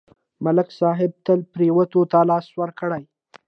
ملک صاحب تل پرېوتو ته لاس ورکړی.